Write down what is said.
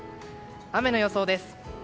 雨の予想です。